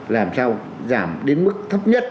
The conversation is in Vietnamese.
làm sao giảm đến mức thấp nhất